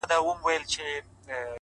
اخلاص د اړیکو بنسټ ټینګوي.